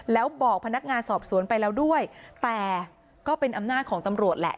แล้วบอกพนักงานสอบสวนไปแล้วด้วยแต่ก็เป็นอำนาจของตำรวจแหละ